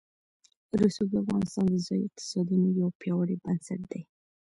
رسوب د افغانستان د ځایي اقتصادونو یو پیاوړی بنسټ دی.